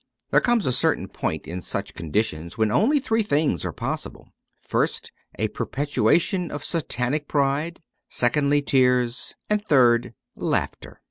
There comes a certain point in such conditions when only three things are possible : first, a perpetuation of Satanic pride ; secondly, tears ; and third, laughter.